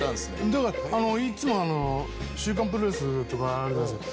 だからいつもあの『週刊プロレス』とかあるじゃないですか。